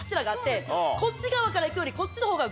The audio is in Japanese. こっち側から行くより。